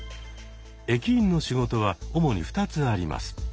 駅員の仕事は主に２つあります。